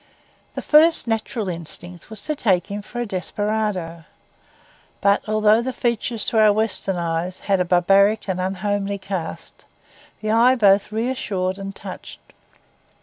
The first natural instinct was to take him for a desperado; but although the features, to our Western eyes, had a barbaric and unhomely cast, the eye both reassured and touched.